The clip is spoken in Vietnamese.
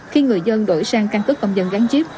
khi người dân đổi sang căn cước công dân gắn chip